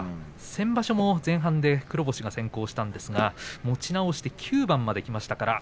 先場所も前半で黒星が先行したんですが持ち直して９番まできま